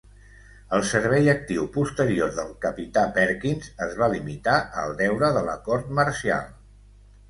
El servei actiu posterior del Capità Perkins es va limitar a el deure de la cort marcial.